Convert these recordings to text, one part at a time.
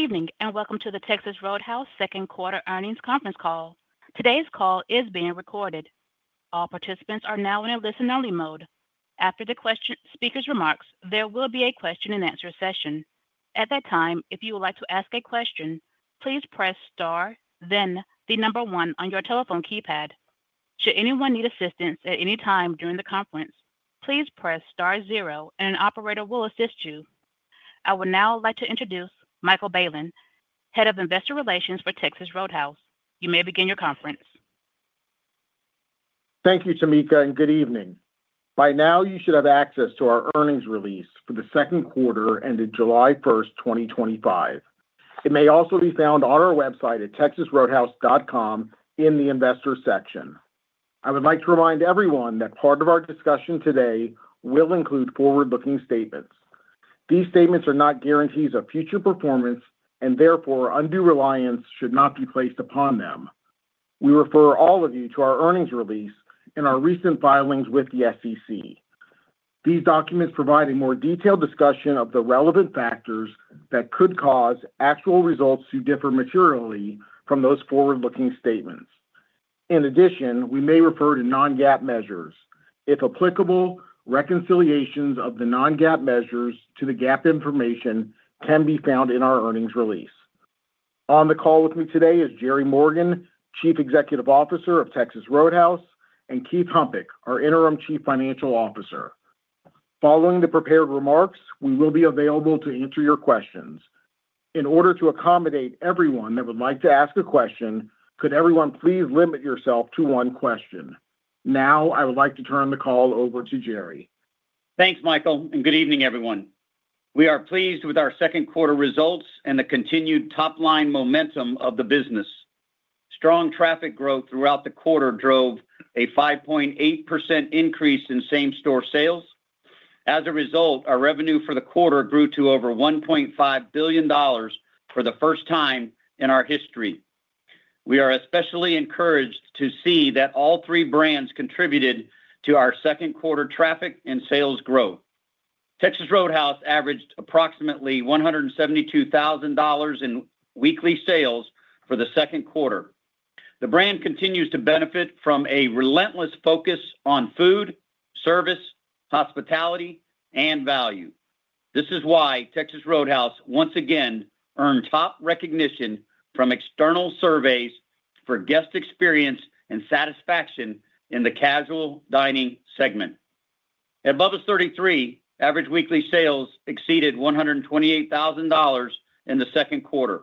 Good evening and welcome to the Texas Roadhouse second quarter earnings conference call. Today's call is being recorded. All participants are now in a listen-only mode. After the speaker's remarks, there will be a question-and-answer session. At that time, if you would like to ask a question, please press star, then the number one on your telephone keypad. Should anyone need assistance at any time during the conference, please press star zero and an operator will assist you. I would now like to introduce Michael Bailen, Head of Investor Relations for Texas Roadhouse. You may begin your conference. Thank you, Tamika, and good evening. By now, you should have access to our earnings release for the second quarter ended July 1st, 2025. It may also be found on our website at texasroadhouse.com in the investors' section. I would like to remind everyone that part of our discussion today will include forward-looking statements. These statements are not guarantees of future performance and therefore undue reliance should not be placed upon them. We refer all of you to our earnings release and our recent filings with the SEC. These documents provide a more detailed discussion of the relevant factors that could cause actual results to differ materially from those forward-looking statements. In addition, we may refer to non-GAAP measures. If applicable, reconciliations of the non-GAAP measures to the GAAP information can be found in our earnings release. On the call with me today is Jerry Morgan, Chief Executive Officer of Texas Roadhouse, and Keith Humpich, our Interim Chief Financial Officer. Following the prepared remarks, we will be available to answer your questions. In order to accommodate everyone that would like to ask a question, could everyone please limit yourself to one question? Now, I would like to turn the call over to Jerry. Thanks, Michael, and good evening, everyone. We are pleased with our second quarter results and the continued top-line momentum of the business. Strong traffic growth throughout the quarter drove a 5.8% increase in same-store sales. As a result, our revenue for the quarter grew to over $1.5 billion for the first time in our history. We are especially encouraged to see that all three brands contributed to our second quarter traffic and sales growth. Texas Roadhouse averaged approximately $172,000 in weekly sales for the second quarter. The brand continues to benefit from a relentless focus on food, service, hospitality, and value. This is why Texas Roadhouse once again earned top recognition from external surveys for guest experience and satisfaction in the casual dining segment. At Bubba's 33, average weekly sales exceeded $128,000 in the second quarter.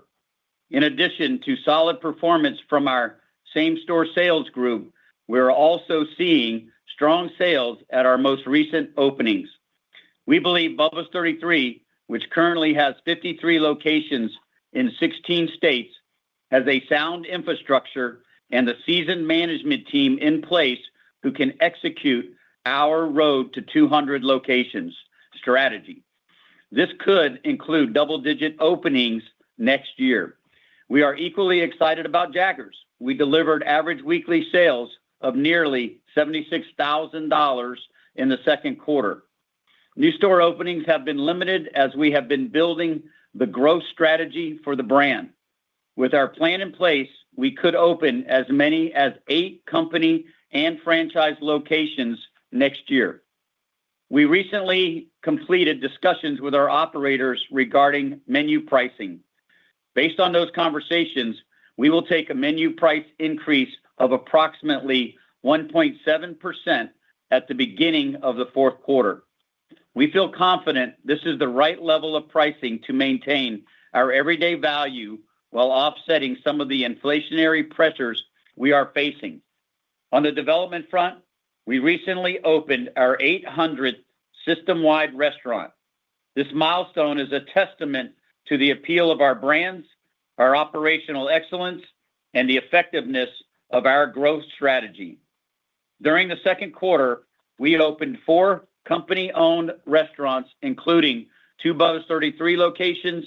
In addition to solid performance from our same-store sales group, we are also seeing strong sales at our most recent openings. We believe Bubba's 33, which currently has 53 locations in 16 states, has a sound infrastructure and a seasoned management team in place who can execute our road-to-200 locations strategy. This could include double-digit openings next year. We are equally excited about Jaggers. We delivered average weekly sales of nearly $76,000 in the second quarter. New store openings have been limited as we have been building the growth strategy for the brand. With our plan in place, we could open as many as eight company and franchise locations next year. We recently completed discussions with our operators regarding menu pricing. Based on those conversations, we will take a menu price increase of approximately 1.7% at the beginning of the fourth quarter. We feel confident this is the right level of pricing to maintain our everyday value while offsetting some of the inflationary pressures we are facing. On the development front, we recently opened our 800th system-wide restaurant. This milestone is a testament to the appeal of our brands, our operational excellence, and the effectiveness of our growth strategy. During the second quarter, we opened four company-owned restaurants, including two Bubba's 33 locations,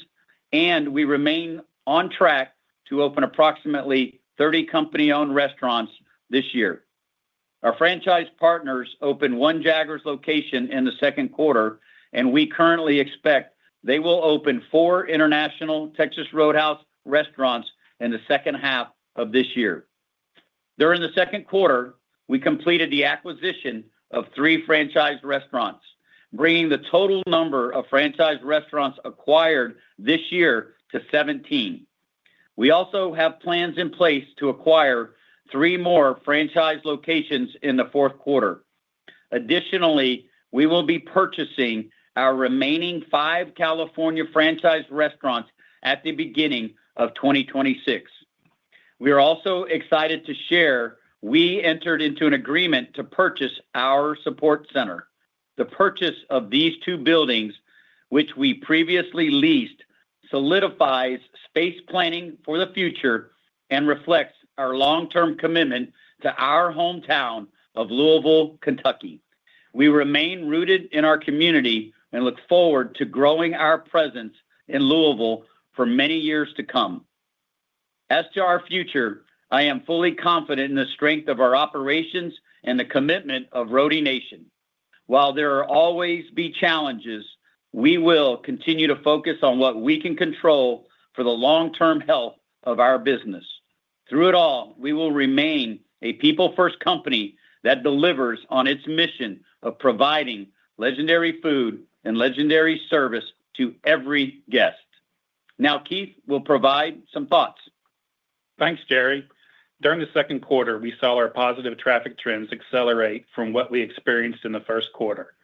and we remain on track to open approximately 30 company-owned restaurants this year. Our franchise partners opened one Jaggers location in the second quarter, and we currently expect they will open four international Texas Roadhouse restaurants in the second half of this year. During the second quarter, we completed the acquisition of three franchise restaurants, bringing the total number of franchise restaurants acquired this year to 17. We also have plans in place to acquire three more franchise locations in the fourth quarter. Additionally, we will be purchasing our remaining five California franchise restaurants at the beginning of 2026. We are also excited to share we entered into an agreement to purchase our support center. The purchase of these two buildings, which we previously leased, solidifies space planning for the future and reflects our long-term commitment to our hometown of Louisville, Kentucky. We remain rooted in our community and look forward to growing our presence in Louisville for many years to come. As to our future, I am fully confident in the strength of our operations and the commitment of Roadie Nation. While there will always be challenges, we will continue to focus on what we can control for the long-term health of our business. Through it all, we will remain a people-first company that delivers on its mission of providing legendary food and legendary service to every guest. Now, Keith will provide some thoughts. Thanks, Jerry. During the second quarter, we saw our positive traffic trends accelerate from what we experienced in the first quarter.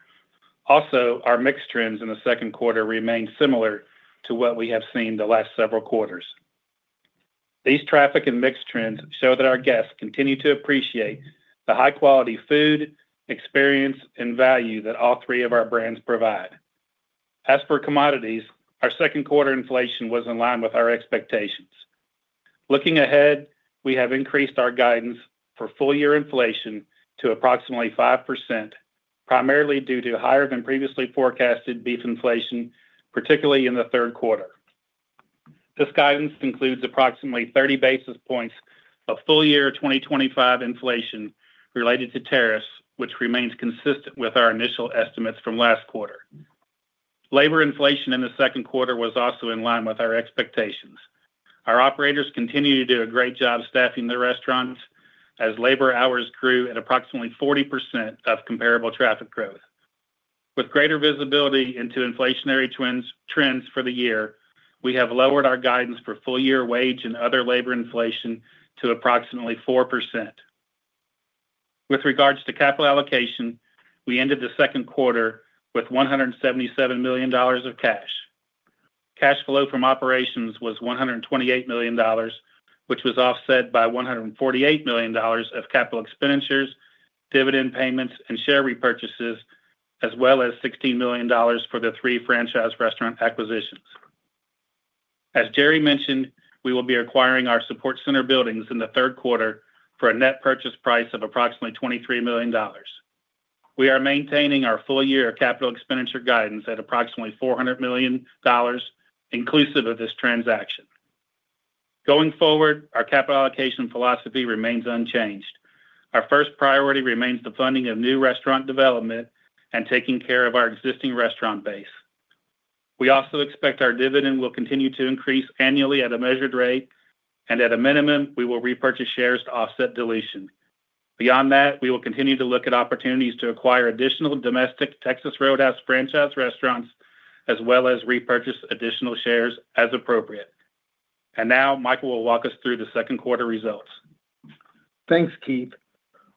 Also, our mix trends in the second quarter remain similar to what we have seen the last several quarters. These traffic and mix trends show that our guests continue to appreciate the high-quality food, experience, and value that all three of our brands provide. As for commodities, our second quarter inflation was in line with our expectations. Looking ahead, we have increased our guidance for full-year inflation to approximately 5%, primarily due to higher than previously forecasted beef inflation, particularly in the third quarter. This guidance includes approximately 30 basis points of full-year 2025 inflation related to tariffs, which remains consistent with our initial estimates from last quarter. Labor inflation in the second quarter was also in line with our expectations. Our operators continue to do a great job staffing their restaurants as labor hours grew at approximately 40% of comparable traffic growth. With greater visibility into inflationary trends for the year, we have lowered our guidance for full-year wage and other labor inflation to approximately 4%. With regards to capital allocation, we ended the second quarter with $177 million of cash. Cash flow from operations was $128 million, which was offset by $148 million of capital expenditures, dividend payments, and share repurchases, as well as $16 million for the three franchise restaurant acquisitions. As Jerry mentioned, we will be acquiring our support center buildings in the third quarter for a net purchase price of approximately $23 million. We are maintaining our full-year capital expenditure guidance at approximately $400 million, inclusive of this transaction. Going forward, our capital allocation philosophy remains unchanged. Our first priority remains the funding of new restaurant development and taking care of our existing restaurant base. We also expect our dividend will continue to increase annually at a measured rate, and at a minimum, we will repurchase shares to offset dilution. Beyond that, we will continue to look at opportunities to acquire additional domestic Texas Roadhouse franchise restaurants, as well as repurchase additional shares as appropriate. Now, Michael will walk us through the second quarter results. Thanks, Keith.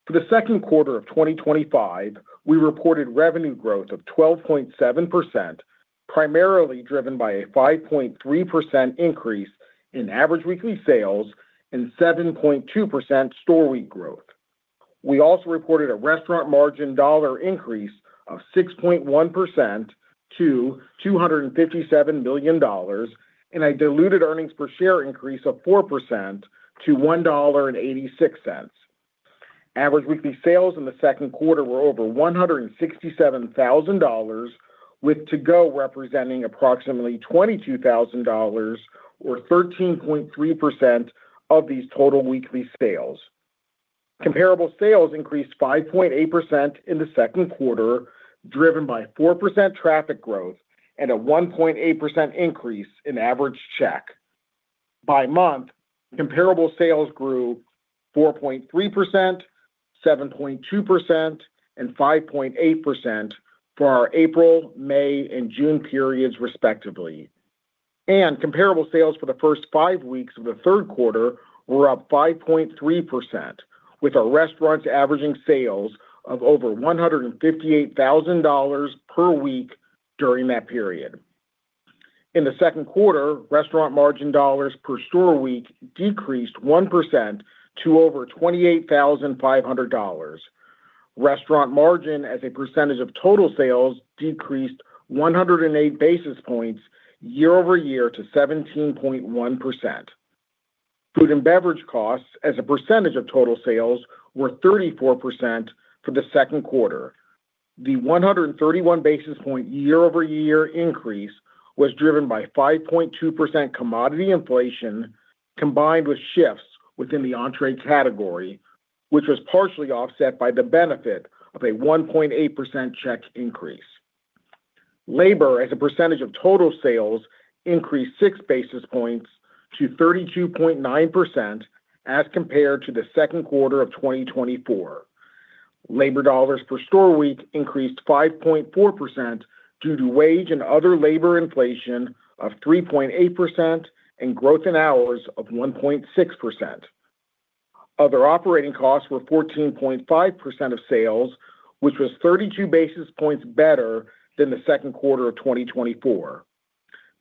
For the second quarter of 2025, we reported revenue growth of 12.7%, primarily driven by a 5.3% increase in average weekly sales and 7.2% store week growth. We also reported a restaurant margin dollar increase of 6.1% to $257 million and a diluted EPS increase of 4% to $1.86. Average weekly sales in the second quarter were over $167,000, with To-Go representing approximately $22,000 or 13.3% of these total weekly sales. Comparable sales increased 5.8% in the second quarter, driven by 4% traffic growth and a 1.8% increase in average check. By month, comparable sales grew 4.3%, 7.2%, and 5.8% for our April, May, and June periods, respectively. Comparable sales for the first five weeks of the third quarter were up 5.3%, with our restaurants averaging sales of over $158,000 per week during that period. In the second quarter, restaurant margin dollars per store week decreased 1% to over $28,500. Restaurant margin as a percentage of total sales decreased 108 basis points year-over-year to 17.1%. Food and beverage costs as a percentage of total sales were 34% for the second quarter. The 131 basis point year-over-year increase was driven by 5.2% commodity inflation combined with shifts within the entrée category, which was partially offset by the benefit of a 1.8% check increase. Labor as a percentage of total sales increased 6 basis points to 32.9% as compared to the second quarter of 2024. Labor dollars per store week increased 5.4% due to wage and other labor inflation of 3.8% and growth in hours of 1.6%. Other operating costs were 14.5% of sales, which was 32 basis points better than the second quarter of 2024.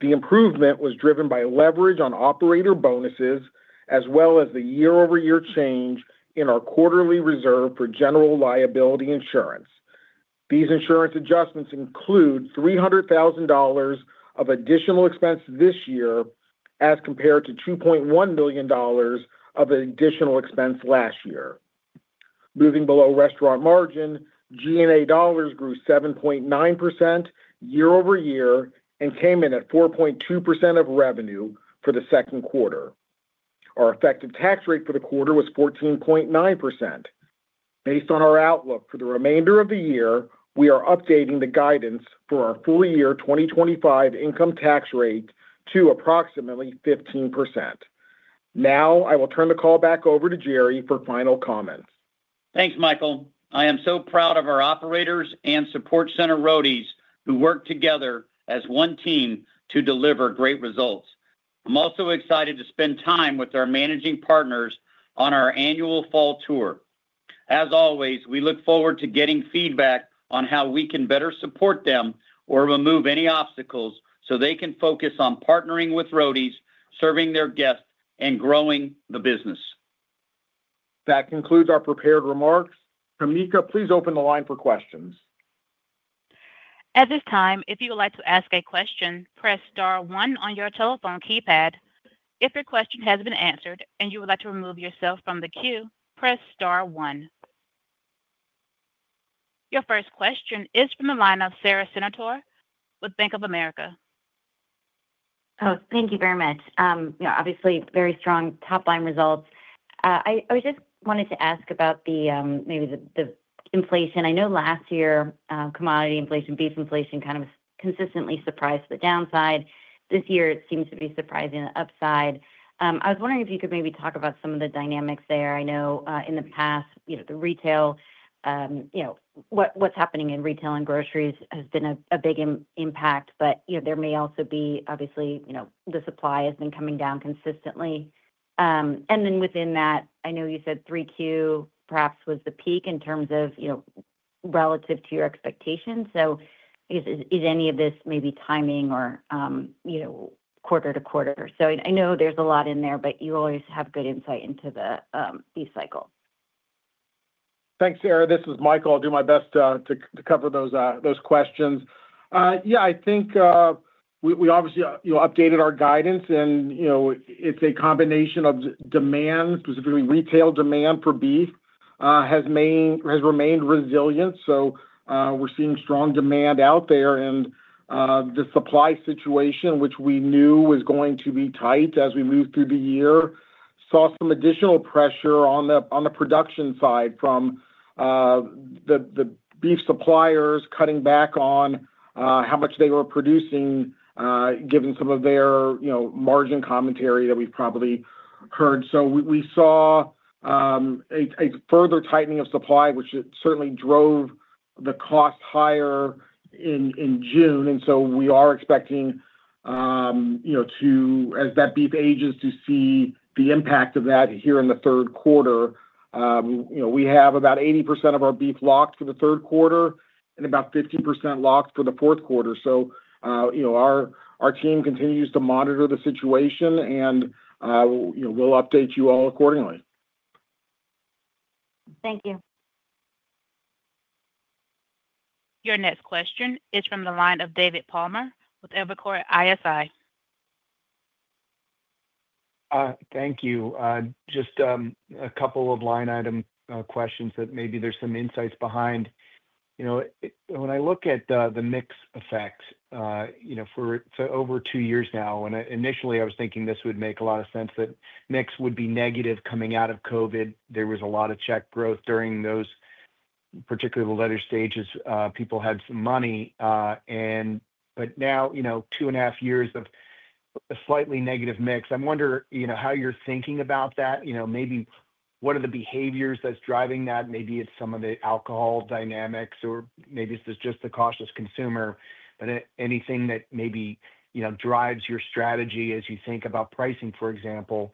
The improvement was driven by leverage on operator bonuses, as well as the year-over-year change in our quarterly reserve for general liability insurance. These insurance adjustments include $300,000 of additional expense this year as compared to $2.1 million of additional expense last year. Moving below restaurant margin, G&A dollars grew 7.9% year-over-year and came in at 4.2% of revenue for the second quarter. Our effective tax rate for the quarter was 14.9%. Based on our outlook for the remainder of the year, we are updating the guidance for our full-year 2025 income tax rate to approximately 15%. Now, I will turn the call back over to Jerry for final comments. Thanks, Michael. I am so proud of our operators and support center Roadies who work together as one team to deliver great results. I'm also excited to spend time with our Managing Partners on our annual fall tour. As always, we look forward to getting feedback on how we can better support them or remove any obstacles so they can focus on partnering with Roadies, serving their guests, and growing the business. That concludes our prepared remarks. Tamika, please open the line for questions. At this time, if you would like to ask a question, press star one on your telephone keypad. If your question has been answered and you would like to remove yourself from the queue, press star one. Your first question is from the line of Sara Senatore with Bank of America. Oh, thank you very much. Obviously, very strong top-line results. I just wanted to ask about maybe the inflation. I know last year, commodity inflation, beef inflation kind of consistently surprised to the downside. This year, it seems to be surprising to the upside. I was wondering if you could maybe talk about some of the dynamics there. I know in the past, what's happening in retail and groceries has been a big impact, but there may also be, obviously, the supply has been coming down consistently. Within that, I know you said 3Q perhaps was the peak in terms of, you know, relative to your expectations. Is any of this maybe timing or quarter to quarter? I know there's a lot in there, but you always have good insight into the beef cycle. Thanks, Sara. This was Michael. I'll do my best to cover those questions. Yeah, I think we obviously, you know, updated our guidance and, you know, it's a combination of demand, specifically retail demand for beef has remained resilient. We're seeing strong demand out there and the supply situation, which we knew was going to be tight as we moved through the year, saw some additional pressure on the production side from the beef suppliers cutting back on how much they were producing, given some of their, you know, margin commentary that we've probably heard. We saw a further tightening of supply, which certainly drove the cost higher in June. We are expecting, you know, to, as that beef ages, to see the impact of that here in the third quarter. We have about 80% of our beef locked for the third quarter and about 50% locked for the fourth quarter. Our team continues to monitor the situation and, you know, we'll update you all accordingly. Thank you. Your next question is from the line of David Palmer with Evercore ISI. Thank you. Just a couple of line item questions that maybe there's some insights behind. You know, when I look at the mix effects, you know, for over two years now, and initially, I was thinking this would make a lot of sense that mix would be negative coming out of COVID. There was a lot of check growth during those, particularly the later stages. People had some money. Now, you know, two and a half years of a slightly negative mix. I wonder, you know, how you're thinking about that. You know, maybe what are the behaviors that's driving that? Maybe it's some of the alcohol dynamics, or maybe it's just the cost as consumer, but anything that maybe, you know, drives your strategy as you think about pricing, for example.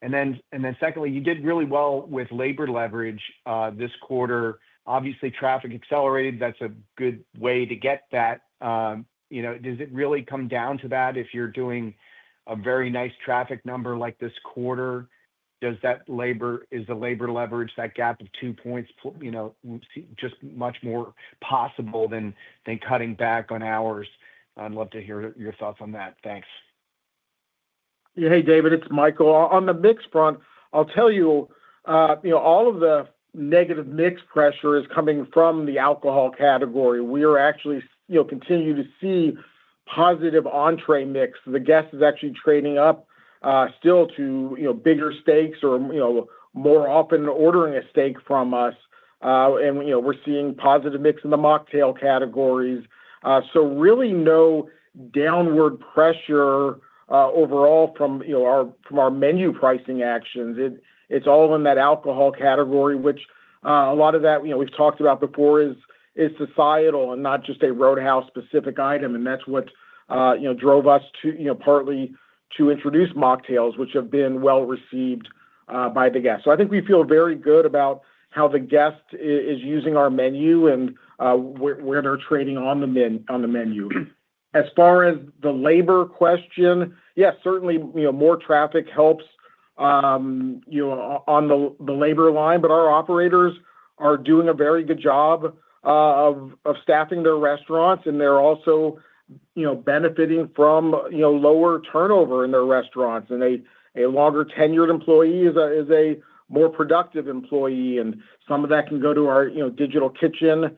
Then, secondly, you did really well with labor leverage this quarter. Obviously, traffic accelerated. That's a good way to get that. Does it really come down to that if you're doing a very nice traffic number like this quarter? Does that labor, is the labor leverage, that gap of two points, you know, seem just much more possible than cutting back on hours? I'd love to hear your thoughts on that. Thanks. Yeah, hey David, it's Michael. On the mix front, all of the negative mix pressure is coming from the alcohol category. We are actually continuing to see positive entree mix. The guest is actually trading up still to bigger steaks or more often ordering a steak from us. We're seeing positive mix in the mocktail categories. Really no downward pressure overall from our menu pricing actions. It's all in that alcohol category, which a lot of that, we've talked about before, is societal and not just a Texas Roadhouse-specific item. That's what drove us to partly introduce mocktails, which have been well received by the guests. I think we feel very good about how the guest is using our menu and where they're trading on the menu. As far as the labor question, yes, certainly, more traffic helps on the labor line, but our operators are doing a very good job of staffing their restaurants, and they're also benefiting from lower turnover in their restaurants. A longer tenured employee is a more productive employee, and some of that can go to our digital kitchen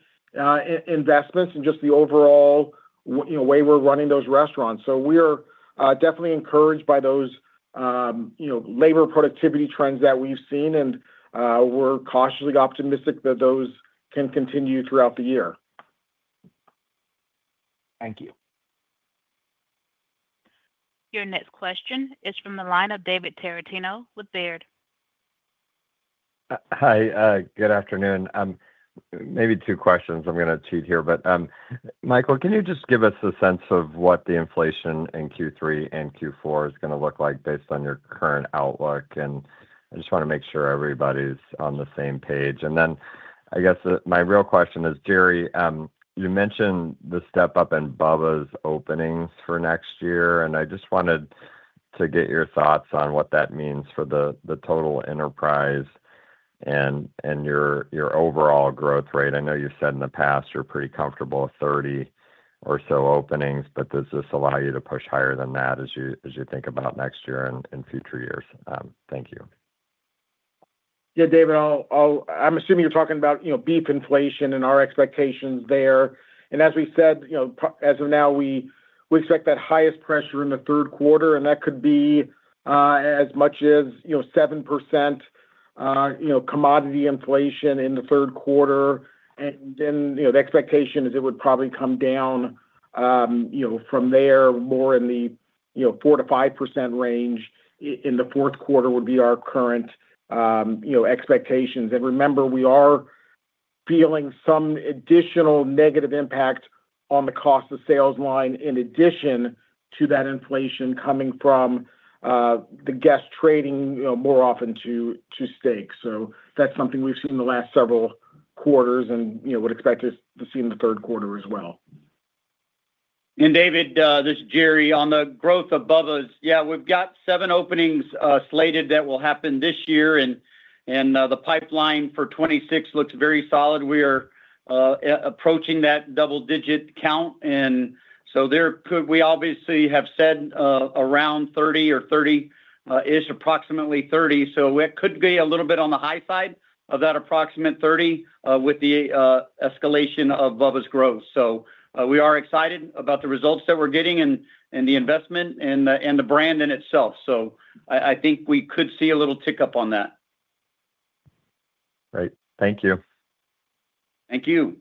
investments and just the overall way we're running those restaurants. We are definitely encouraged by those labor productivity trends that we've seen, and we're cautiously optimistic that those can continue throughout the year. Thank you. Your next question is from the line of David Tarantino with Baird. Hi, good afternoon. Maybe two questions. I'm going to cheat here, but Michael, can you just give us a sense of what the inflation in Q3 and Q4 is going to look like based on your current outlook? I just want to make sure everybody's on the same page. I guess my real question is, Jerry, you mentioned the step-up in Bubba's openings for next year, and I just wanted to get your thoughts on what that means for the total enterprise and your overall growth rate. I know you've said in the past you're pretty comfortable with 30 or so openings, but does this allow you to push higher than that as you think about next year and future years? Thank you. Yeah, David, I'm assuming you're talking about, you know, beef inflation and our expectations there. As we said, as of now, we expect that highest pressure in the third quarter, and that could be as much as 7% commodity inflation in the third quarter. The expectation is it would probably come down from there more in the 4%-5% range in the fourth quarter, which would be our current expectations. Remember, we are feeling some additional negative impact on the cost of sales line in addition to that inflation coming from the guest trading more often to steak. That's something we've seen in the last several quarters and would expect us to see in the third quarter as well. David, this is Jerry on the growth of Bubba's. We've got seven openings slated that will happen this year, and the pipeline for 2026 looks very solid. We are approaching that double-digit count, and there could, we obviously have said around 30 or 30-ish, approximately 30. It could be a little bit on the high side of that approximate 30 with the escalation of Bubba's growth. We are excited about the results that we're getting and the investment and the brand in itself. I think we could see a little tick up on that. Great. Thank you. Thank you.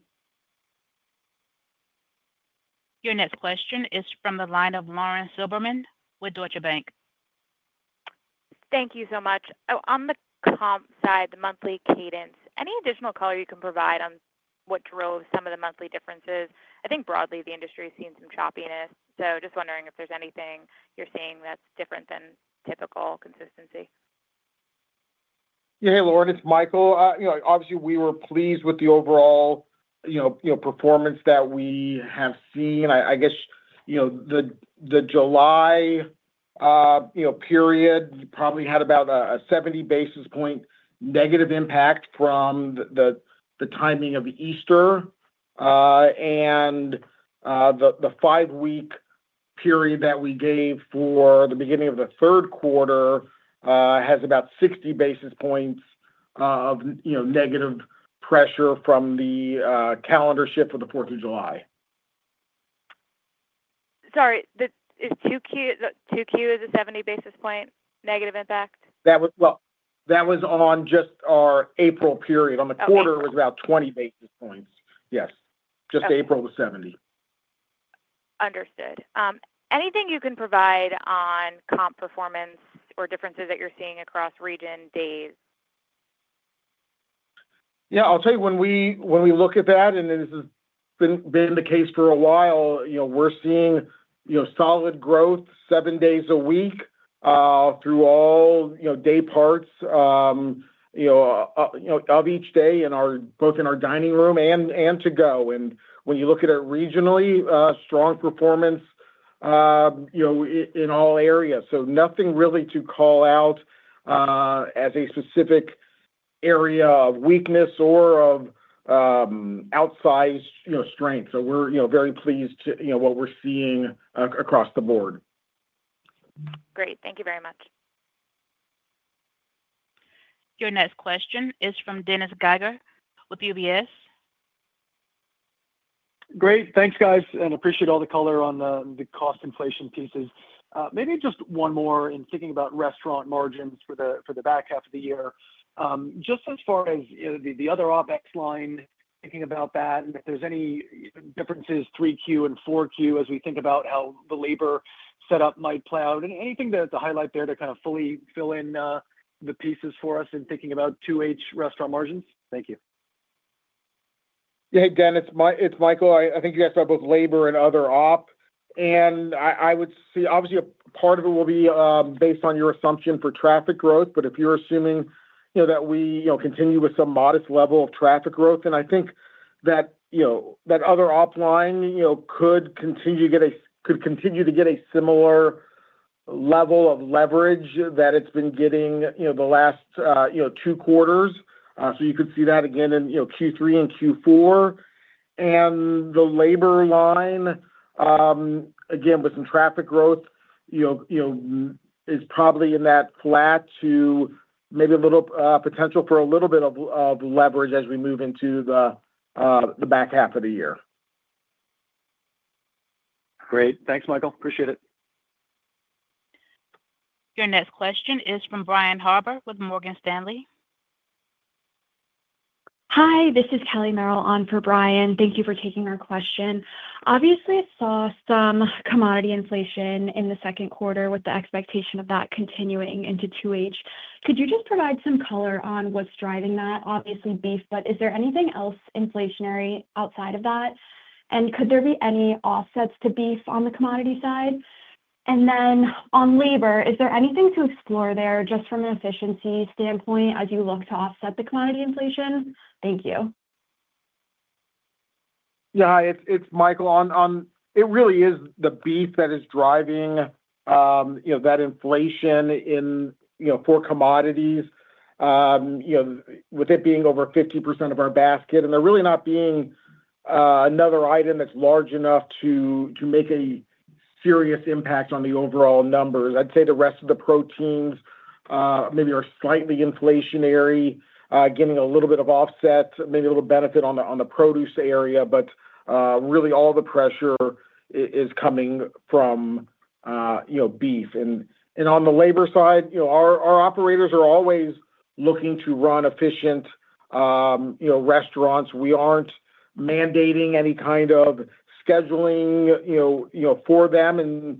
Your next question is from the line of Lauren Silberman with Deutsche Bank. Thank you so much. On the comp side, the monthly cadence, any additional color you can provide on what drove some of the monthly differences? I think broadly the industry has seen some choppiness. Just wondering if there's anything you're seeing that's different than typical consistency. Yeah, hey Lauren, it's Michael. Obviously we were pleased with the overall performance that we have seen. I guess the July period probably had about a 70 basis point negative impact from the timing of Easter. The five-week period that we gave for the beginning of the third quarter has about 60 basis points of negative pressure from the calendar shift of the 4th of July. Sorry, is 2Q a 70 basis point negative impact? That was on just our April period. On the quarter, it was about 20 basis points. Yes, just April was 70. Understood. Anything you can provide on comp performance or differences that you're seeing across region days? Yeah, I'll tell you, when we look at that, and this has been the case for a while, we're seeing solid growth seven days a week through all day parts of each day in our dining room and To-Go. When you look at it regionally, strong performance in all areas. Nothing really to call out as a specific area of weakness or of outsized strength. We're very pleased with what we're seeing across the board. Great, thank you very much. Your next question is from Dennis Geiger with UBS. Great. Thanks, guys, and appreciate all the color on the cost inflation pieces. Maybe just one more in thinking about restaurant margins for the back half of the year. Just as far as the other OpEx line, thinking about that, and if there's any differences Q3 and Q4 as we think about how the labor setup might play out. Anything to highlight there to kind of fully fill in the pieces for us in thinking about 2H restaurant margins? Thank you. Yeah. Hey. Dennis, it's Michael. I think you asked about both labor and other OpEx. I would see, obviously, a part of it will be based on your assumption for traffic growth. If you're assuming, you know, that we, you know, continue with some modest level of traffic growth, then I think that, you know, that other OpEx line, you know, could continue to get a similar level of leverage that it's been getting, you know, the last, you know, two quarters. You could see that again in, you know, Q3 and Q4. The labor line, again, with some traffic growth, you know, is probably in that flat to maybe a little potential for a little bit of leverage as we move into the back half of the year. Great. Thanks, Michael. Appreciate it. Your next question is from Brian Harbour with Morgan Stanley. Hi, this is Kelly Merrill on for Brian. Thank you for taking our question. Obviously, I saw some commodity inflation in the second quarter with the expectation of that continuing into 2H. Could you just provide some color on what's driving that? Obviously, beef, but is there anything else inflationary outside of that? Could there be any offsets to beef on the commodity side? On labor, is there anything to explore there just from an efficiency standpoint as you look to offset the commodity inflation? Thank you. Yeah, it's Michael. It really is the beef that is driving that inflation in, you know, for commodities. With it being over 50% of our basket and there really not being another item that's large enough to make a serious impact on the overall numbers, I'd say the rest of the proteins maybe are slightly inflationary, getting a little bit of offset, maybe a little benefit on the produce area, but really all the pressure is coming from beef. On the labor side, our operators are always looking to run efficient restaurants. We aren't mandating any kind of scheduling for them.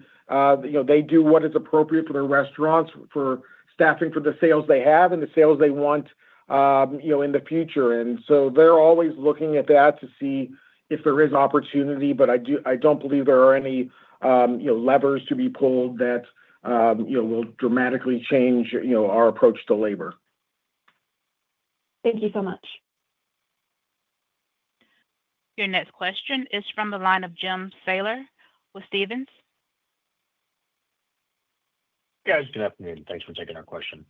They do what is appropriate for their restaurants for staffing for the sales they have and the sales they want in the future. They're always looking at that to see if there is opportunity, but I don't believe there are any levers to be pulled that will dramatically change our approach to labor. Thank you so much. Your next question is from the line of Jim Salera with Stephens. Good afternoon. Thanks for taking our question.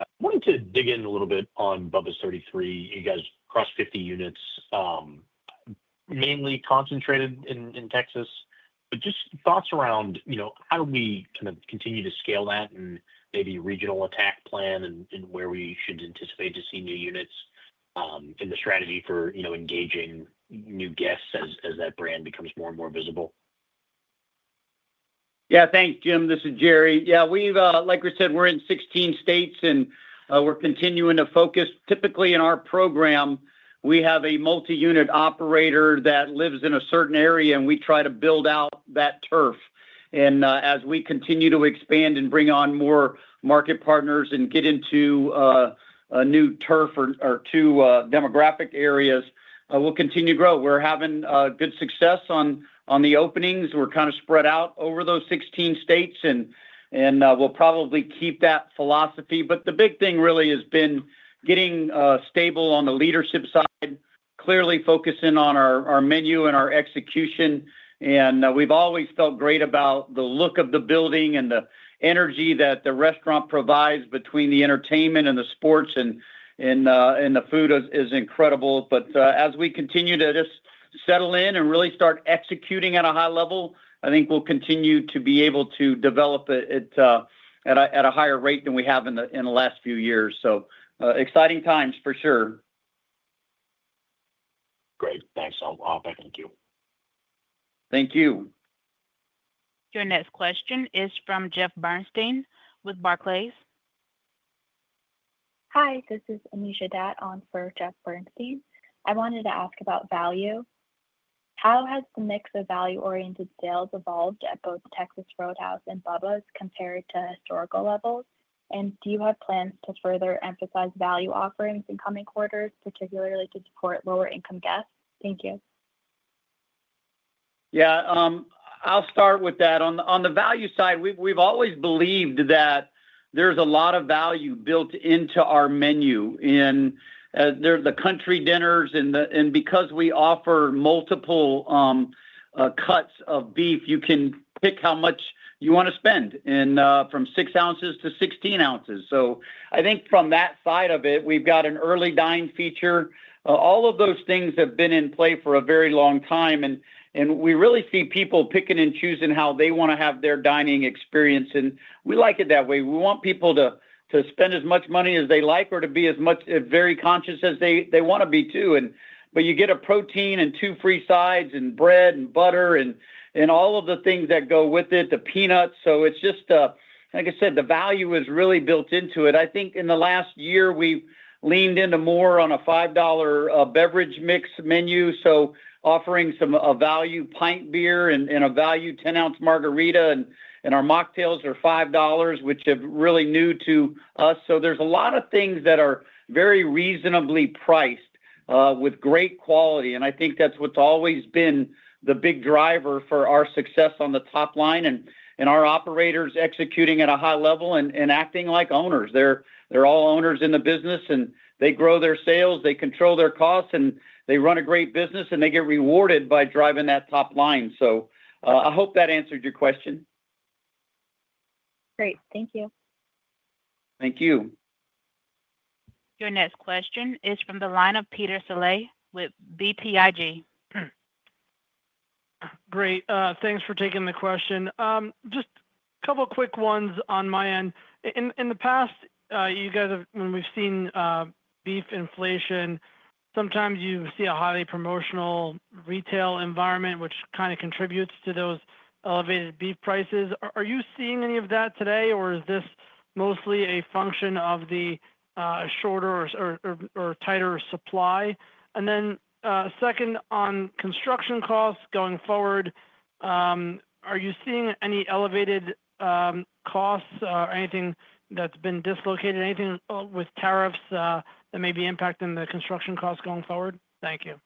I wanted to dig in a little bit on Bubba's 33. You guys crossed 50 units, mainly concentrated in Texas, but just thoughts around how do we kind of continue to scale that and maybe regional attack plan and where we should anticipate to see new units and the strategy for engaging new guests as that brand becomes more and more visible? Yeah, thanks, Jim. This is Jerry. Yeah, like we said, we're in 16 states and we're continuing to focus. Typically, in our program, we have a multi-unit operator that lives in a certain area and we try to build out that turf. As we continue to expand and bring on more market partners and get into a new turf or two demographic areas, we'll continue to grow. We're having good success on the openings. We're kind of spread out over those 16 states and we'll probably keep that philosophy. The big thing really has been getting stable on the leadership side, clearly focusing on our menu and our execution. We've always felt great about the look of the building and the energy that the restaurant provides between the entertainment and the sports, and the food is incredible. As we continue to just settle in and really start executing at a high level, I think we'll continue to be able to develop it at a higher rate than we have in the last few years. Exciting times for sure. Great, thanks all. Thank you. Thank you. Your next question is from Jeff Bernstein with Barclays. Hi, this is Anisha Datt on for Jeff Bernstein. I wanted to ask about value. How has the mix of value-oriented sales evolved at both Texas Roadhouse and Bubba's compared to historical levels? Do you have plans to further emphasize value offerings in coming quarters, particularly to support lower-income guests? Thank you. Yeah, I'll start with that. On the value side, we've always believed that there's a lot of value built into our menu. There's the country dinners, and because we offer multiple cuts of beef, you can pick how much you want to spend from 6 oz-16 oz. I think from that side of it, we've got an early dine feature. All of those things have been in play for a very long time. We really see people picking and choosing how they want to have their dining experience. We like it that way. We want people to spend as much money as they like or to be as much very conscious as they want to be, too. You get a protein and two free sides and bread and butter and all of the things that go with it, the peanuts. Like I said, the value is really built into it. I think in the last year, we've leaned into more on a $5 beverage mix menu, offering some value pint beer and a value 10 oz margarita. Our mocktails are $5, which is really new to us. There's a lot of things that are very reasonably priced with great quality. I think that's what's always been the big driver for our success on the top line and our operators executing at a high level and acting like owners. They're all owners in the business and they grow their sales, they control their costs, and they run a great business and they get rewarded by driving that top line. I hope that answered your question. Great. Thank you. Thank you. Your next question is from the line of Peter Saleh with BTIG. Great. Thanks for taking the question. Just a couple of quick ones on my end. In the past, you guys have, when we've seen beef inflation, sometimes you see a highly promotional retail environment, which kind of contributes to those elevated beef prices. Are you seeing any of that today, or is this mostly a function of the shorter or tighter supply? Second, on construction costs going forward, are you seeing any elevated costs or anything that's been dislocated, anything with tariffs that may be impacting the construction costs going forward? Thank you.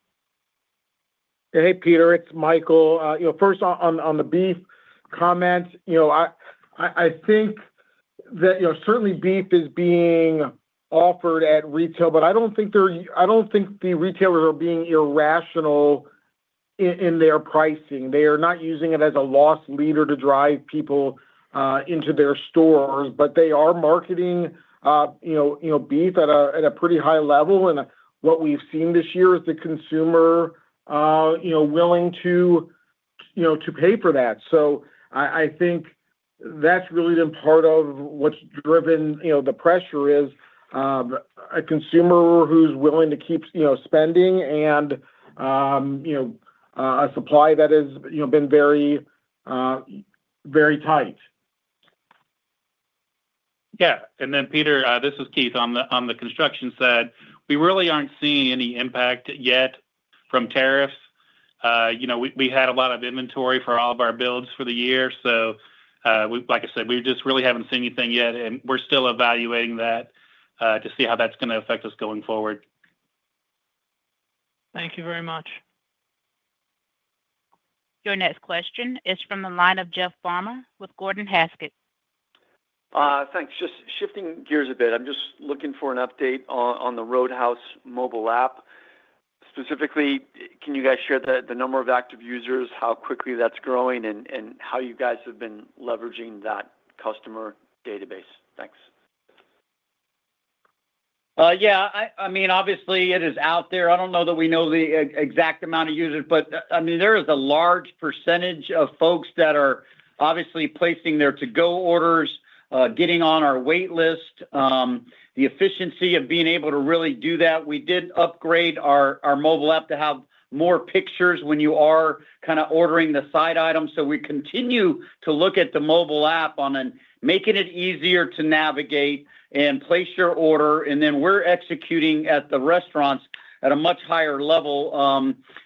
Hey, Peter, it's Michael. First on the beef comment, I think that certainly beef is being offered at retail, but I don't think the retailers are being irrational in their pricing. They are not using it as a loss leader to drive people into their stores, but they are marketing beef at a pretty high level. What we've seen this year is the consumer willing to pay for that. I think that's really been part of what's driven the pressure, a consumer who's willing to keep spending and a supply that has been very, very tight. Yeah. Peter, this is Keith on the construction side. We really aren't seeing any impact yet from tariffs. We had a lot of inventory for all of our builds for the year. Like I said, we just really haven't seen anything yet, and we're still evaluating that to see how that's going to affect us going forward. Thank you very much. Your next question is from the line of Jeff Farmer with Gordon Haskett. Thanks. Just shifting gears a bit, I'm just looking for an update on the Roadhouse mobile app. Specifically, can you guys share the number of active users, how quickly that's growing, and how you guys have been leveraging that customer database? Thanks. Yeah, I mean, obviously, it is out there. I don't know that we know the exact amount of users, but I mean, there is a large percentage of folks that are obviously placing their To-Go orders, getting on our wait list. The efficiency of being able to really do that, we did upgrade our mobile app to have more pictures when you are kind of ordering the side items. We continue to look at the mobile app on making it easier to navigate and place your order. We're executing at the restaurants at a much higher level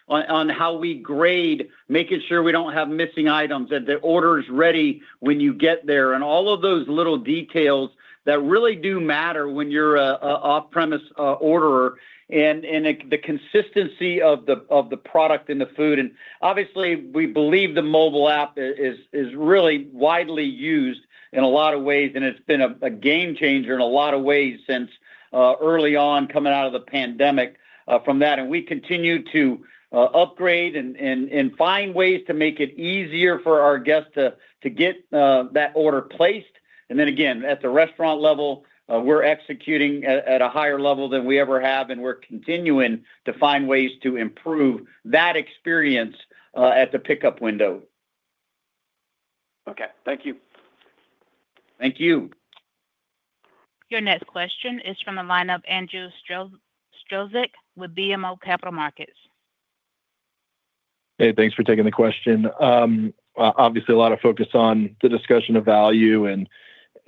on how we grade, making sure we don't have missing items, that the order is ready when you get there. All of those little details really do matter when you're an off-premise order. The consistency of the product and the food. Obviously, we believe the mobile app is really widely used in a lot of ways, and it's been a game changer in a lot of ways since early on coming out of the pandemic from that. We continue to upgrade and find ways to make it easier for our guests to get that order placed. Again, at the restaurant level, we're executing at a higher level than we ever have, and we're continuing to find ways to improve that experience at the pickup window. Okay, thank you. Thank you. Your next question is from the line of Andrew Strelzik with BMO Capital Markets. Hey, thanks for taking the question. Obviously, a lot of focus on the discussion of value in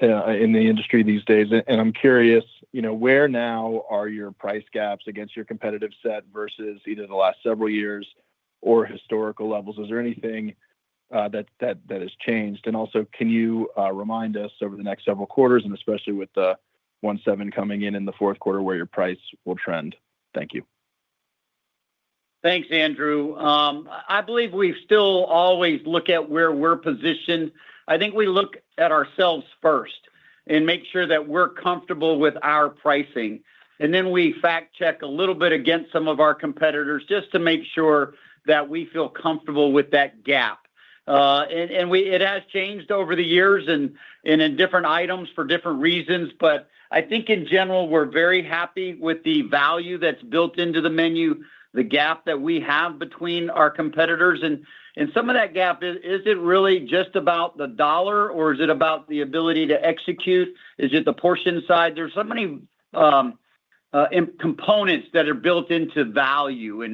the industry these days. I'm curious, you know, where now are your price gaps against your competitive set versus either the last several years or historical levels? Is there anything that has changed? Also, can you remind us over the next several quarters, especially with the 1.7% coming in in the fourth quarter, where your price will trend? Thank you. Thanks, Andrew. I believe we still always look at where we're positioned. I think we look at ourselves first and make sure that we're comfortable with our pricing. We fact-check a little bit against some of our competitors just to make sure that we feel comfortable with that gap. It has changed over the years and in different items for different reasons. I think in general, we're very happy with the value that's built into the menu, the gap that we have between our competitors. Some of that gap isn't really just about the dollar, or is it about the ability to execute? Is it the portion size? There are so many components that are built into value.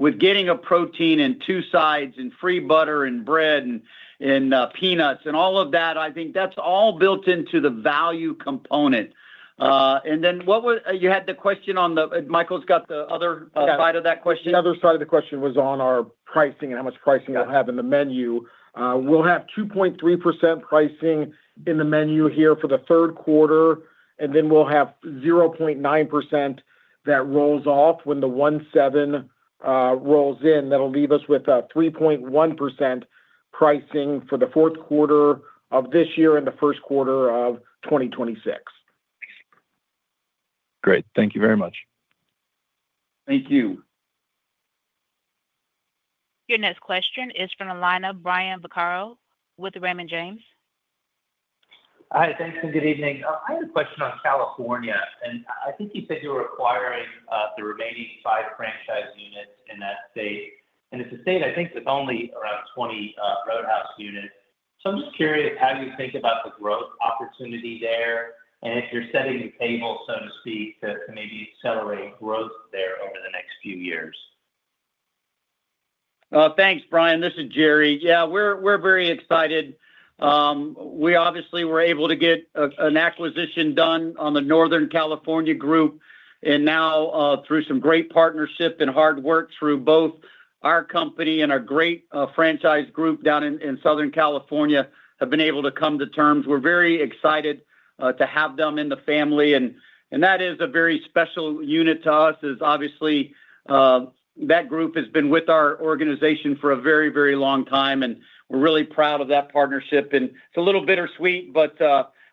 With getting a protein and two sides and free butter and bread and peanuts and all of that, I think that's all built into the value component. What was you had the question on the Michael's got the other side of that question? The other side of the question was on our pricing and how much pricing we'll have in the menu. We'll have 2.3% pricing in the menu here for the third quarter, and then we'll have 0.9% that rolls off when the 1.7% rolls in. That'll leave us with 3.1% pricing for the fourth quarter of this year and the first quarter of 2026. Great, thank you very much. Thank you. Your next question is from the line of Brian Vaccaro with Raymond James. Hi, thanks, and good evening. I had a question on California, and I think you said you were acquiring the remaining five franchise units in that state. It's a state I think with only around 20 Roadhouse units. I'm just curious, how do you think about the growth opportunity there? If you're setting the table, so to speak, to maybe accelerate growth there over the next few years? Thanks, Brian. This is Jerry. Yeah, we're very excited. We obviously were able to get an acquisition done on the Northern California group. Now, through some great partnership and hard work through both our company and our great franchise group down in Southern California, have been able to come to terms. We're very excited to have them in the family. That is a very special unit to us, as obviously that group has been with our organization for a very, very long time, and we're really proud of that partnership. It's a little bittersweet, but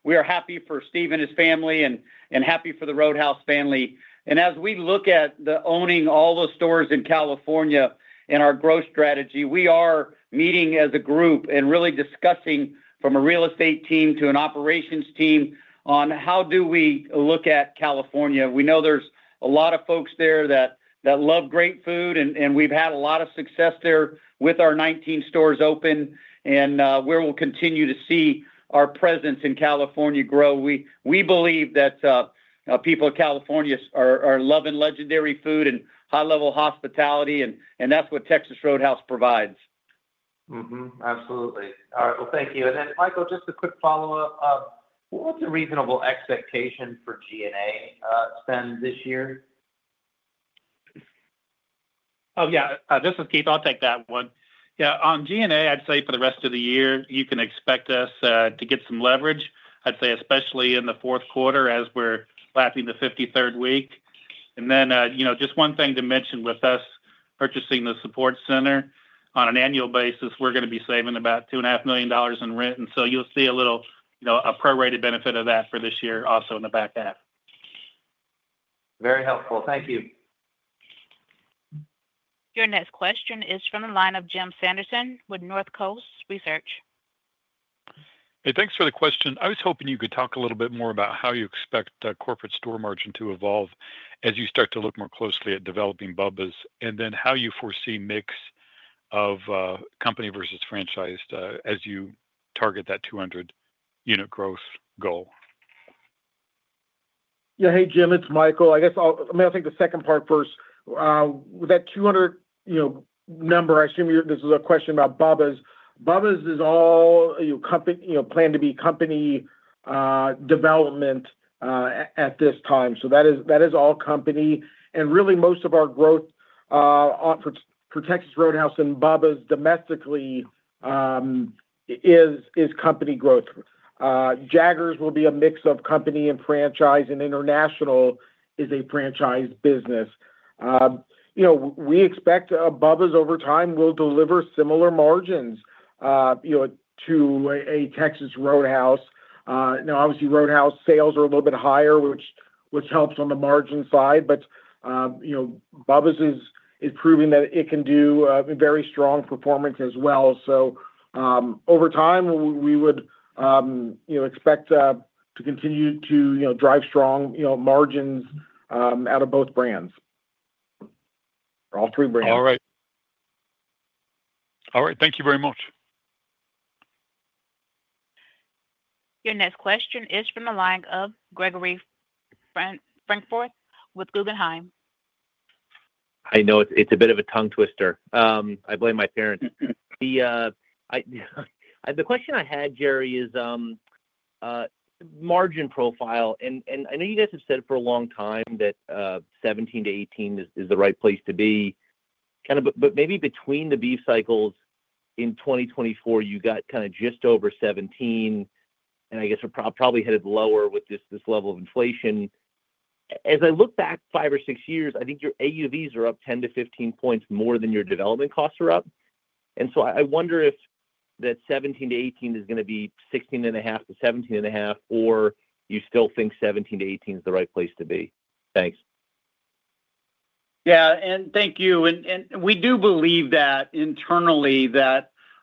we are happy for Steve and his family and happy for the Roadhouse family. As we look at owning all those stores in California and our growth strategy, we are meeting as a group and really discussing from a real estate team to an operations team on how do we look at California. We know there's a lot of folks there that love great food, and we've had a lot of success there with our 19 stores open, and we will continue to see our presence in California grow. We believe that people in California are loving legendary food and high-level hospitality, and that's what Texas Roadhouse provides. Absolutely. All right. Thank you. Michael, just a quick follow-up. What's a reasonable expectation for G&A spend this year? Oh, yeah. This is Keith. I'll take that one. Yeah, on G&A, I'd say for the rest of the year, you can expect us to get some leverage, especially in the fourth quarter as we're lapping the 53rd week. Just one thing to mention, with us purchasing the support center on an annual basis, we're going to be saving about $2.5 million in rent. You'll see a little, you know, a prorated benefit of that for this year also in the back half. Very helpful. Thank you. Your next question is from the line of Jim Sanderson with Northcoast Research. Hey, thanks for the question. I was hoping you could talk a little bit more about how you expect corporate store margin to evolve as you start to look more closely at developing Bubba's and then how you foresee mix of company versus franchised as you target that 200-unit growth goal. Yeah, hey Jim, it's Michael. I guess I'll take the second part first. With that 200, you know, number, I assume this is a question about Bubba's. Bubba's is all, you know, planned to be company development at this time. That is all company. Really, most of our growth for Texas Roadhouse and Bubba's domestically is company growth. Jaggers will be a mix of company and franchise, and International is a franchise business. We expect Bubba's over time will deliver similar margins to a Texas Roadhouse. Obviously, Roadhouse sales are a little bit higher, which helps on the margin side, but Bubba's is proving that it can do very strong performance as well. Over time, we would expect to continue to drive strong margins out of both brands, all three brands. All right. Thank you very much. Your next question is from the line of Gregory Francfort with Guggenheim. I know it's a bit of a tongue twister. I blame my parents. The question I had, Jerry, is margin profile. I know you guys have said for a long time that 17%-18% is the right place to be, kind of, but maybe between the beef cycles in 2024, you got just over 17%, and I guess we're probably headed lower with this level of inflation. As I look back five or six years, I think your AUVs are up 10 to 15 points more than your development costs are up. I wonder if that 17%-18% is going to be 16.5%-17.5%, or you still think 17%-18% is the right place to be. Thanks. Yeah, thank you. We do believe that internally,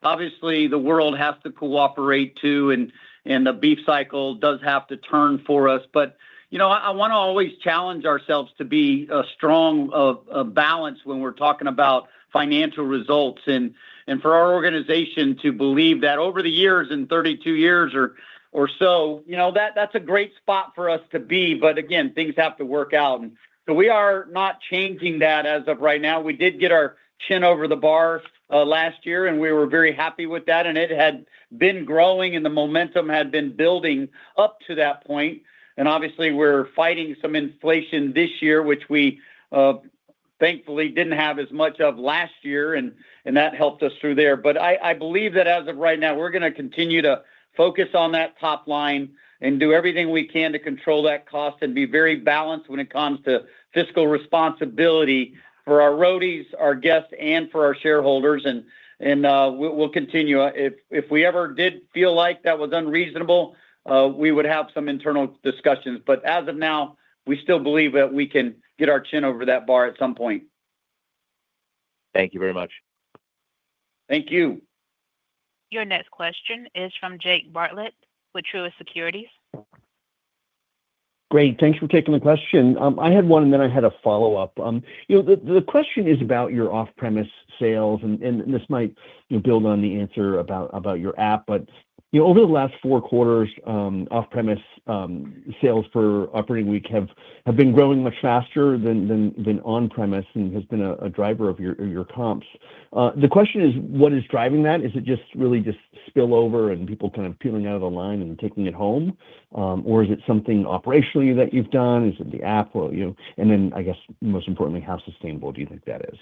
obviously the world has to cooperate too, and the beef cycle does have to turn for us. I want to always challenge ourselves to be a strong balance when we're talking about financial results. For our organization to believe that over the years and 32 years or so, that's a great spot for us to be. Things have to work out. We are not changing that as of right now. We did get our chin over the bar last year, and we were very happy with that. It had been growing, and the momentum had been building up to that point. Obviously, we're fighting some inflation this year, which we thankfully didn't have as much of last year, and that helped us through there. I believe that as of right now, we're going to continue to focus on that top line and do everything we can to control that cost and be very balanced when it comes to fiscal responsibility for our Roadies, our guests, and for our shareholders. We'll continue. If we ever did feel like that was unreasonable, we would have some internal discussions. As of now, we still believe that we can get our chin over that bar at some point. Thank you very much. Thank you. Your next question is from Jake Bartlett with Truist Securities. Great. Thanks for taking the question. I had one, and then I had a follow-up. The question is about your off-premise sales, and this might build on the answer about your mobile app. Over the last four quarters, off-premise sales per operating week have been growing much faster than on-premise and have been a driver of your comps. The question is, what is driving that? Is it really just spillover and people kind of peeling out of the line and taking it home, or is it something operationally that you've done? Is it the mobile app? Most importantly, how sustainable do you think that is?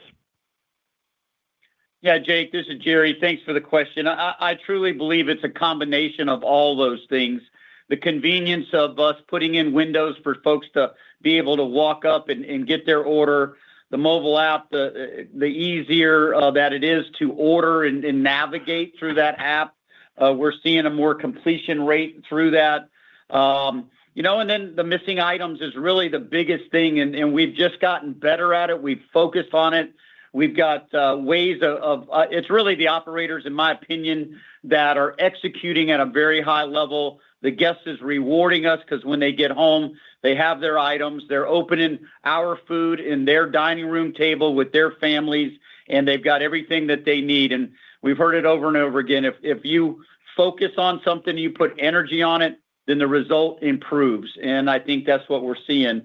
Yeah, Jake, this is Jerry. Thanks for the question. I truly believe it's a combination of all those things. The convenience of us putting in windows for folks to be able to walk up and get their order, the mobile app, the easier that it is to order and navigate through that app. We're seeing a more completion rate through that. You know, the missing items is really the biggest thing, and we've just gotten better at it. We've focused on it. We've got ways of, it's really the operators, in my opinion, that are executing at a very high level. The guest is rewarding us because when they get home, they have their items, they're opening our food in their dining room table with their families, and they've got everything that they need. We've heard it over and over again. If you focus on something and you put energy on it, then the result improves. I think that's what we're seeing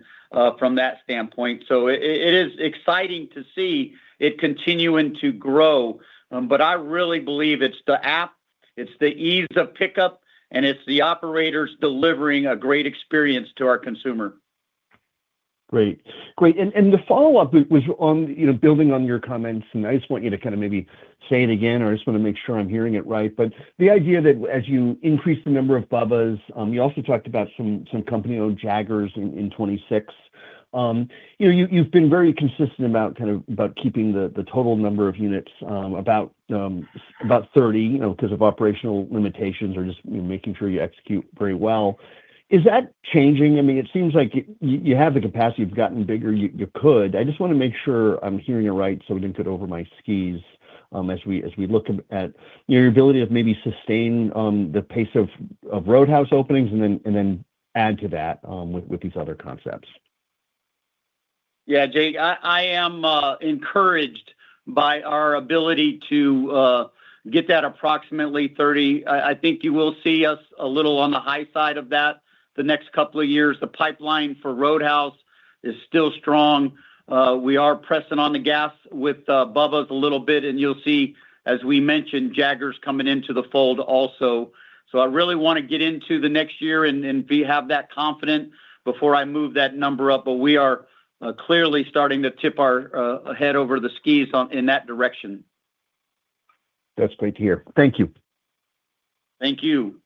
from that standpoint. It is exciting to see it continuing to grow. I really believe it's the app, it's the ease of pickup, and it's the operators delivering a great experience to our consumer. Great. The follow-up was on building on your comments, and I just want you to kind of maybe say it again, or I just want to make sure I'm hearing it right. The idea that as you increase the number of Bubba's, you also talked about some company-owned Jaggers in 2026. You've been very consistent about kind of keeping the total number of units about 30 because of operational limitations or just making sure you execute very well. Is that changing? It seems like you have the capacity, you've gotten bigger, you could. I just want to make sure I'm hearing it right so we didn't get over my skis as we look at your ability to maybe sustain the pace of Roadhouse openings and then add to that with these other concepts. Yeah, Jake, I am encouraged by our ability to get that approximately 30. I think you will see us a little on the high side of that the next couple of years. The pipeline for Roadhouse is still strong. We are pressing on the gas with Bubba's a little bit, and you'll see, as we mentioned, Jaggers coming into the fold also. I really want to get into the next year and have that confident before I move that number up. We are clearly starting to tip our head over the skis in that direction. That's great to hear. Thank you. Thank you.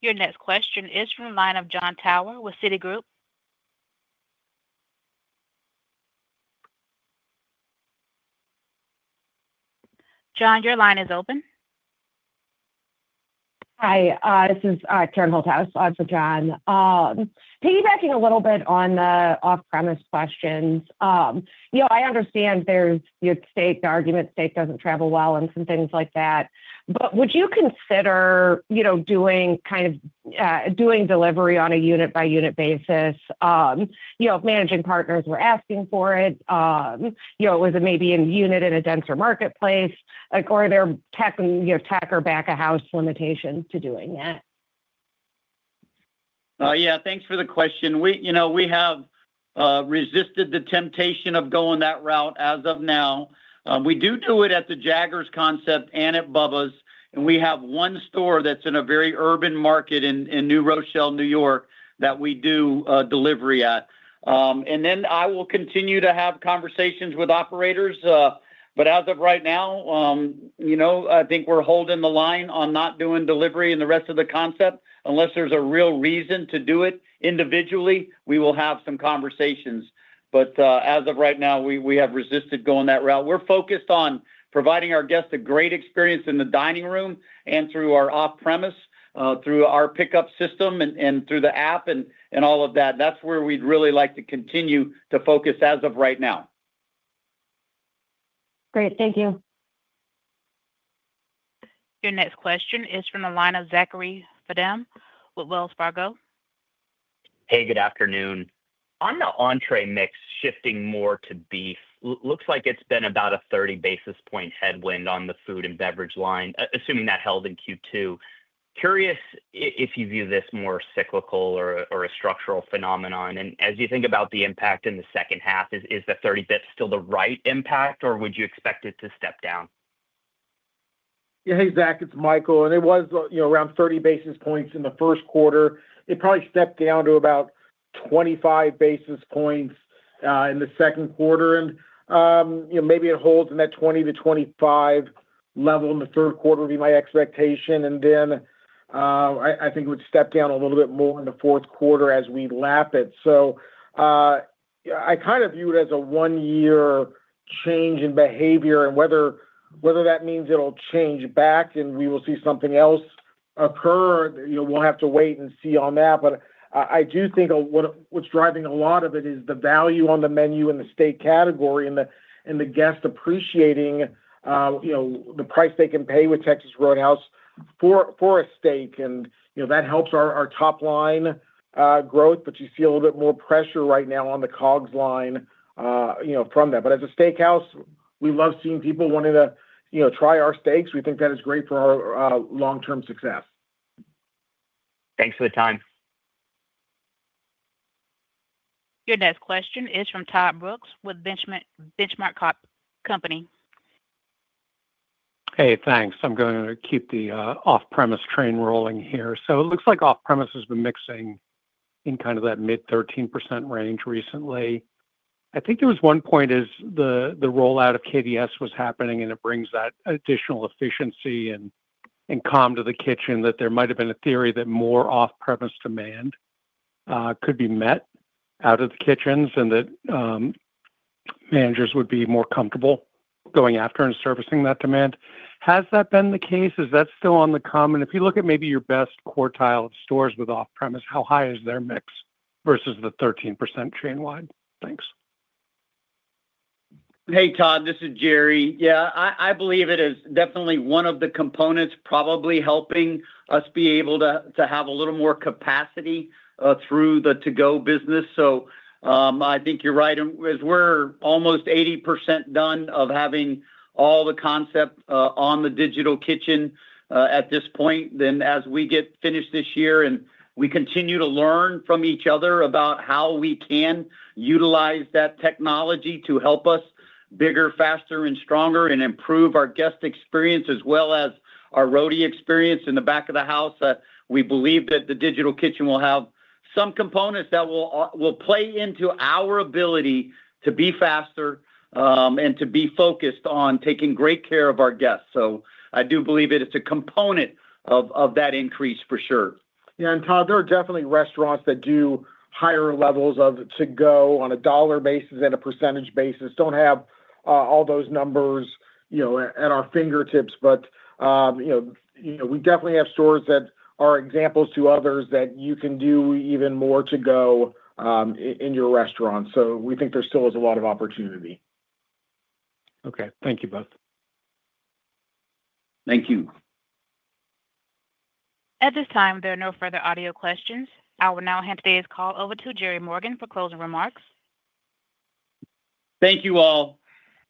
Your next question is from the line of Jon Tower with Citigroup. Jon, your line is open. Hi, this is Karen Holthouse. I'm for Jon. Piggybacking a little bit on the off-premise questions. You know, I understand there's your steak argument, steak doesn't travel well and some things like that. Would you consider doing delivery on a unit-by-unit basis? You know, if managing partners were asking for it, was it maybe in a unit in a denser marketplace? Are there tech or back-of-house limitations to doing that? Yeah, thanks for the question. We have resisted the temptation of going that route as of now. We do it at the Jaggers concept and at Bubba's. We have one store that's in a very urban market in New Rochelle, New York, that we do delivery at. I will continue to have conversations with operators. As of right now, I think we're holding the line on not doing delivery in the rest of the concept unless there's a real reason to do it individually. We will have some conversations. As of right now, we have resisted going that route. We're focused on providing our guests a great experience in the dining room and through our off-premise, through our pickup system, and through the mobile app and all of that. That's where we'd really like to continue to focus as of right now. Great. Thank you. Your next question is from the line of Zachary Fadem with Wells Fargo. Hey, good afternoon. On the entree mix, shifting more to beef, looks like it's been about a 30 basis point headwind on the food and beverage line, assuming that held in Q2. I'm curious if you view this more cyclical or a structural phenomenon. As you think about the impact in the second half, is the 30 still the right impact, or would you expect it to step down? Yeah, hey Zach, it's Michael. It was, you know, around 30 basis points in the first quarter. It probably stepped down to about 25 basis points in the second quarter. You know, maybe it holds in that 20 to 25 level in the third quarter would be my expectation. I think it would step down a little bit more in the fourth quarter as we lap it. I kind of view it as a one-year change in behavior and whether that means it'll change back and we will see something else occur. You know, we'll have to wait and see on that. I do think what's driving a lot of it is the value on the menu in the steak category and the guest appreciating, you know, the price they can pay with Texas Roadhouse for a steak. You know, that helps our top line growth, but you see a little bit more pressure right now on the COGS line from that. As a steakhouse, we love seeing people wanting to try our steaks. We think that is great for our long-term success. Thanks for the time. Your next question is from Todd Brooks with Benchmark Company. Hey, thanks. I'm going to keep the off-premise train rolling here. It looks like off-premise has been mixing in kind of that mid-13% range recently. I think there was one point as the rollout of KBS was happening, and it brings that additional efficiency and calm to the kitchen that there might have been a theory that more off-premise demand could be met out of the kitchens and that managers would be more comfortable going after and servicing that demand. Has that been the case? Is that still on the common? If you look at maybe your best quartile of stores with off-premise, how high is their mix versus the 13% chain-wide? Thanks. Hey Todd, this is Jerry. Yeah, I believe it is definitely one of the components probably helping us be able to have a little more capacity through the To-Go business. I think you're right. As we're almost 80% done of having all the concept on the digital kitchen at this point, as we get finished this year and we continue to learn from each other about how we can utilize that technology to help us bigger, faster, and stronger and improve our guest experience as well as our Roadie experience in the back of the house, we believe that the digital kitchen will have some components that will play into our ability to be faster and to be focused on taking great care of our guests. I do believe it is a component of that increase for sure. Yeah, Todd, there are definitely restaurants that do higher levels of To-Go on a dollar basis and a percentage basis. Don't have all those numbers at our fingertips, but we definitely have stores that are examples to others that you can do even more To-Go in your restaurant. We think there still is a lot of opportunity. Okay, thank you both. Thank you. At this time, there are no further audio questions. I will now hand today's call over to Jerry Morgan for closing remarks. Thank you all.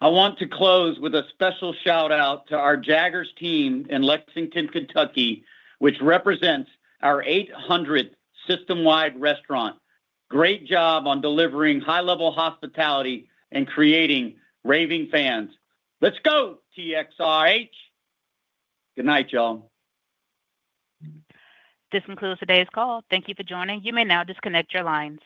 I want to close with a special shout-out to our Jaggers team in Lexington, Kentucky, which represents our 800th system-wide restaurant. Great job on delivering high-level hospitality and creating raving fans. Let's go, [TXRH]. Good night, y'all. This concludes today's call. Thank you for joining. You may now disconnect your lines.